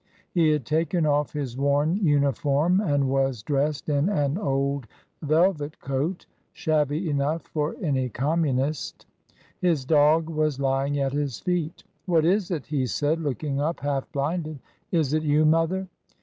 He had taken off his worn uniform and was dressed in an old velvet coat, shabby enough for any Communist His dog was lying at his feet "What is it?" he said, looking up half blinded: "Is it you, mother?"